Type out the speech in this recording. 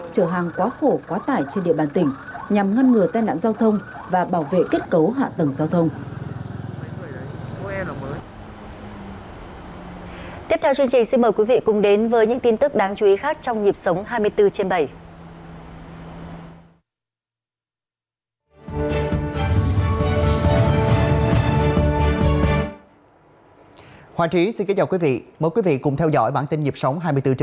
chở hàng quá khổ quá tải trên địa bàn tỉnh nhằm ngăn ngừa tai nạn giao thông và bảo vệ kết cấu hạ tầng giao thông